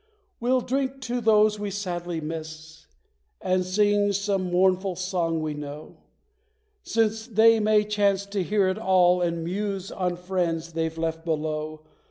We'll drink to those we sadly miss, and sing some mournful song we know, Since they may chance to hear it all, and muse on friends they've left below.